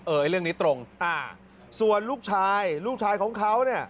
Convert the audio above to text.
เรื่องนี้ตรงอ่าส่วนลูกชายลูกชายของเขาเนี่ย